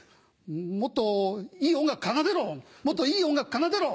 もっといい音楽奏でろもっといい音楽奏でろ。